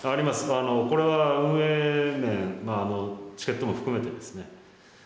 これは運営面チケットも含めてですね。